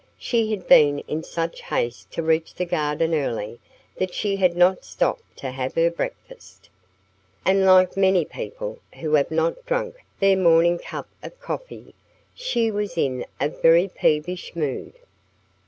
She had been in such haste to reach the garden early that she had not stopped to have her breakfast. And like many people who have not drunk their morning cup of coffee, she was in a very peevish mood.